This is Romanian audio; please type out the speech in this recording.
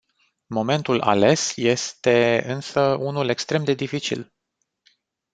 Momentul ales este, însă, unul extrem de dificil.